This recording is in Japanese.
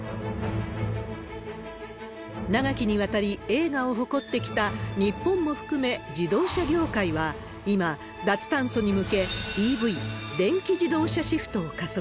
長きにわたり栄華を誇ってきた、日本も含め自動車業界は、今、脱炭素に向け、ＥＶ・電気自動車シフトを加速。